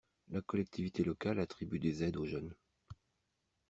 La collectivité locale attribue des aides aux jeunes.